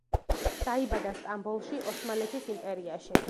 დაიბადა სტამბოლში, ოსმალეთის იმპერიაში.